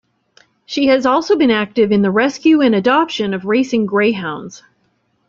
She has also been active in the rescue and adoption of racing greyhounds.